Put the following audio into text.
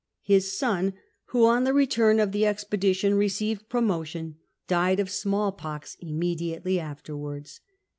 His son, who on the return of tlie expedition received promotion, died of smallpox immediately afterwards.